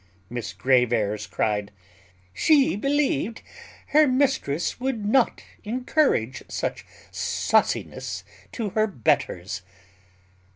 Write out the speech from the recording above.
Miss Grave airs cried, "She believed her mistress would not encourage such sauciness to her betters."